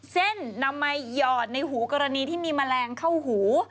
เส้นนำมายอดในหูกรณีที่มีแมลงเข้าหู